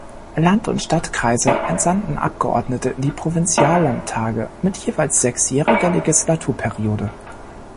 Land- und Stadtkreise entsandten Abgeordnete in die Provinziallandtage mit jeweils sechsjähriger Legislaturperiode.